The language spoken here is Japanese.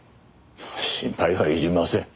心配はいりません。